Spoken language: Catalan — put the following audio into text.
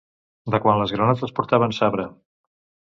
De quan les granotes portaven sabre.